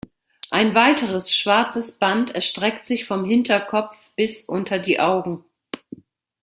Ein weiteres schwarzes Band erstreckt sich vom Hinterkopf bis unter die Augen.